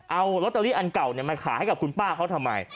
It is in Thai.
เอาลอตเตอรี่อันเก่ามาขายให้กับคุณป้าเขาทำไม